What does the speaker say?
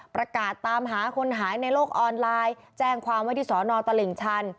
ประกาศตามหาคนหายในโลกออนไลน์แจ้งความว่าที่สอนอตลิ่งชัน